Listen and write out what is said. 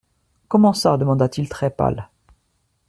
Comment ça ? demanda-t-il très pâle.